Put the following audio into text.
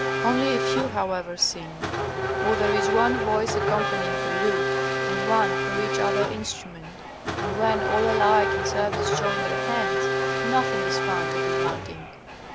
Only a few, however, sing; or there is one voice accompanying the lute and one for each other instrument. And when all alike in service join their hands, nothing is found to be wanting.